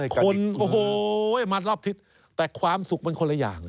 คนโอ้โหมารอบทิศแต่ความสุขมันคนละอย่าง